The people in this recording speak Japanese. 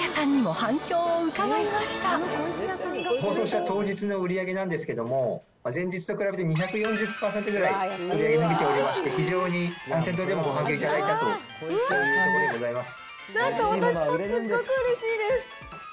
放送した当日の売り上げなんですけれども、前日と比べて２４０％ぐらい売り上げ伸びておりまして、非常にご反響を頂いたということでございます。